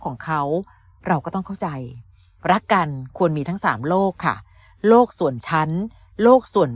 ของเขาเราก็ต้องเข้าใจรักกันควรมีทั้ง๓โลกค่ะโลกส่วน